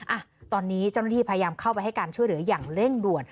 อ่ะตอนนี้เจ้าหน้าที่พยายามเข้าไปให้การช่วยเหลืออย่างเร่งด่วน